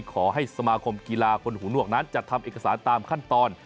ขอให้สมาคมกีฬาคนหูหนวกนั้นจัดทำเอกสารตามขั้นตอน